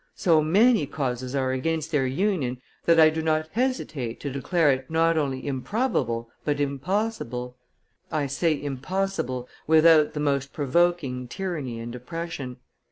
So many causes are against their union, that I do not hesitate to declare it not only improbable but impossible; I say impossible without the most provoking tyranny and oppression.